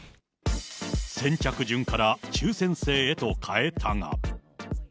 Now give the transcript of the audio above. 先着順から抽せん制へと変えたが。